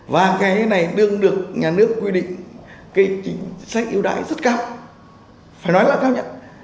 và cái này được nhà nước quy định chính sách ưu đãi rất cao phải nói là cao nhất